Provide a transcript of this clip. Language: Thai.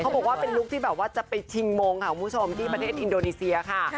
บอกว่าเป็นลุคที่จะจิ้มทินของผู้ชมที่ประเทศอินโดนีเซียค่ะ